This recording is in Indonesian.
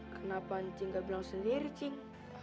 kenapa cing gak bilang sendiri cing